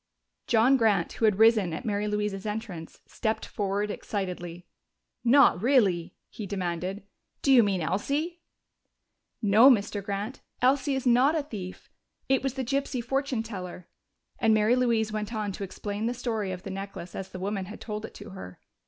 John Grant, who had risen at Mary Louise's entrance, stepped forward excitedly. "Not really?" he demanded. "Do you mean Elsie?" "No, Mr. Grant, Elsie is not a thief. It was the gypsy fortune teller." And Mary Louise went on to explain the story of the necklace as the woman had told it to her.